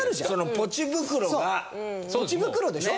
ポチ袋でしょ？